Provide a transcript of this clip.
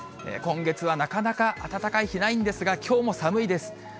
今月はなかなか暖かい日、ないんですが、きょうも寒いです。